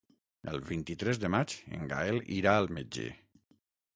El vint-i-tres de maig en Gaël irà al metge.